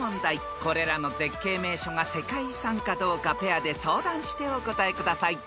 ［これらの絶景名所が世界遺産かどうかペアで相談してお答えください］